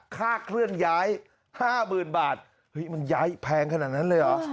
ค่าเคลื่อนย้าย๕๐๐๐บาทเฮ้ยมันย้ายแพงขนาดนั้นเลยเหรอ